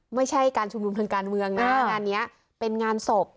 ไม่ใช่การชุมนุมทางการเมืองนะงานนี้เป็นงานศพ